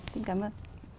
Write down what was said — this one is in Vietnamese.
xin cảm ơn